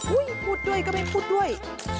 พูดด้วยก็ไม่พูดด้วย